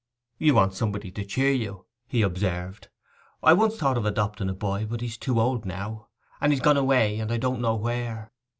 'You want somebody to cheer you,' he observed. 'I once thought of adopting a boy; but he is too old now. And he is gone away I don't know where.